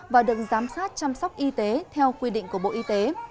và được giám sát chăm sóc y tế theo quy định của bộ y tế